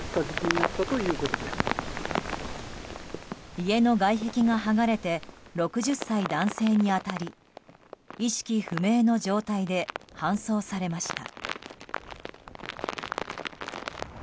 家の外壁が剥がれて６０歳男性に当たり意識不明の状態で搬送されました。